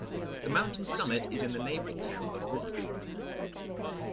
The mountain's summit is in the neighboring town of Brookfield.